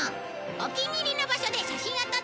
お気に入りの場所で写真を撮ってね！